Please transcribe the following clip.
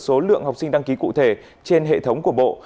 số lượng học sinh đăng ký cụ thể trên hệ thống của bộ